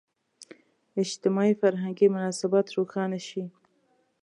اجتماعي – فرهنګي مناسبات روښانه شي.